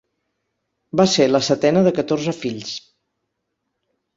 Va ser la setena de catorze fills.